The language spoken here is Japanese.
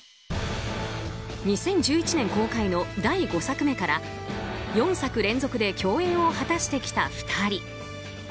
２０１１年公開の第５作目から４作連続で共演を果たしてきた２人。